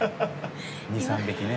２３匹ね。